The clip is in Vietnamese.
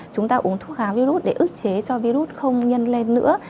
chúng ta uống thuốc khá virus để ức chế cho virus không nhân lên nữa